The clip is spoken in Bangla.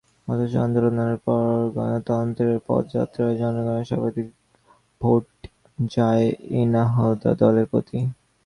অথচ আন্দোলনের পর গণতন্ত্রের পথযাত্রায় জনগণের সর্বাধিক ভোট যায় ইনাহদা দলের প্রতি।